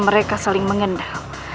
mereka saling mengendal